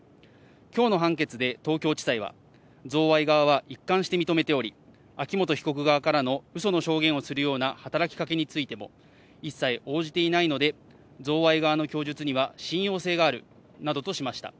今日の判決で東京地裁は贈賄側は一貫して認めており、秋元被告側からのうその証言をするような働きかけについても一切応じていないので贈賄側の供述には信用性があるなどとしました。